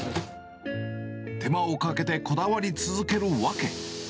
手間をかけてこだわり続ける訳。